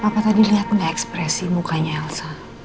papa tadi lihat nggak ekspresi mukanya elsa